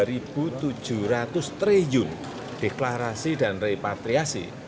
hari ini sudah mencapai rp dua tujuh ratus triliun deklarasi dan repatriasi